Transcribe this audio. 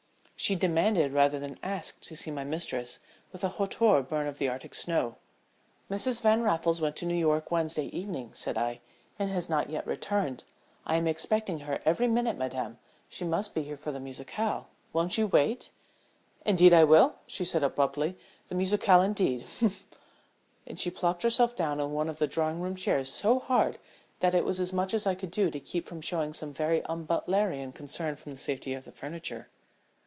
She demanded rather than asked to see my mistress, with a hauteur born of the arctic snow. "Mrs. Van Raffles went to New York Wednesday evening," said I, "and has not yet returned. I am expecting her every minute, madame. She must be here for the musicale. Won't you wait?" "Indeed I will," said she, abruptly. "The musicale, indeed! Humph!" And she plumped herself down in one of the drawing room chairs so hard that it was as much as I could do to keep from showing some very unbutlerian concern for the safety of the furniture.